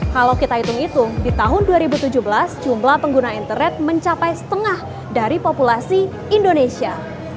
kalau kita hitung hitung di tahun dua ribu tujuh belas jumlah pengguna internet mencapai setengah dari populasi indonesia